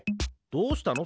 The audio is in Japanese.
どうしたの？